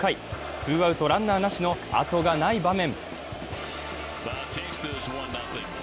ツーアウト、ランナーなしのあとがない場面。